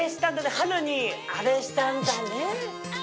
春にあれしたんだね。